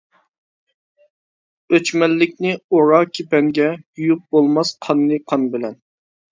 ئۆچمەنلىكنى ئورا كېپەنگە، يۇيۇپ بولماس قاننى قان بىلەن.